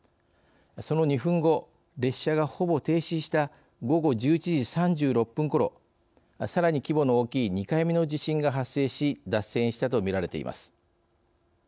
その２分後列車が、ほぼ停止した午後１１時３６分ごろさらに規模の大きい２回目の地震が発生し脱線したとみられています。